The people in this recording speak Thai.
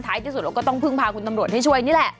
ที่สุดเราก็ต้องพึ่งพาคุณตำรวจให้ช่วยนี่แหละ